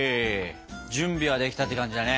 準備はできたって感じだね。